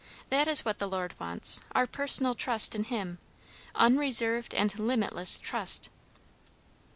That is what the Lord wants; our personal trust in him; unreserved and limitless trust."